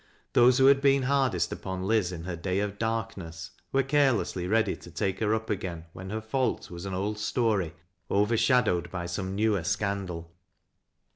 Those who had been hardest upon Liz in her day of darkness were carelessly ready to take her up again when her fault was an old story over shadowed by some newer scandal.